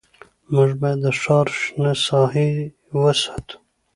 موږ باید د ښار شنه ساحې وساتو